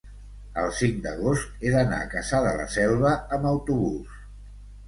el cinc d'agost he d'anar a Cassà de la Selva amb autobús.